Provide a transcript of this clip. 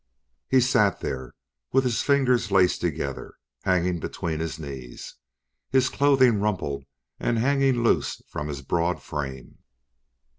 He sat there with his fingers laced together, hanging between his knees, his clothing rumpled and hanging loose from his broad frame.